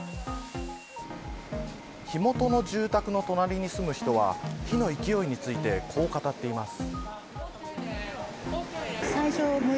火元の住宅の隣に住む人は火の勢いについてこう語っています。